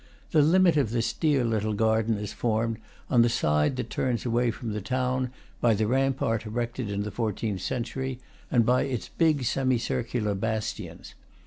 The limit of this dear little garden is formed, on the side that turns away from the town, by the rampart erected in the fourteenth century, and by its big semicircular bastions.